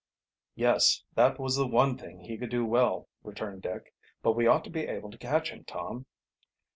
"Yes, that was the one thing he could do well," returned Dick. "But we ought to be able to catch him, Tom."